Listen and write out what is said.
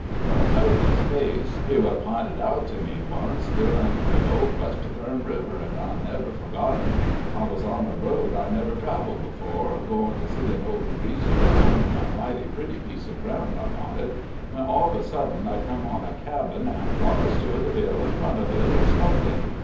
But I know'd his face he wuz p'inted out to me once, durin' the gold rush to Kern River, an' I never forgot him. I wuz on a road I never traveled before goin' to see an old greaser, ownin' a mighty pretty piece of ground I wanted when all of a sudden I come on a cabin, an' thar stood Bill in front of it, a smokin'.